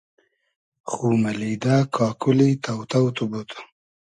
خو مئلیدۂ کاکولی تۆ تۆ تو بود